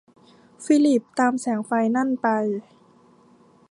ฟิลิปตามแสงไฟนั่นไป